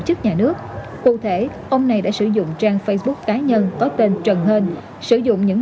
chức nhà nước cụ thể ông này đã sử dụng trang facebook cá nhân có tên trần hên sử dụng những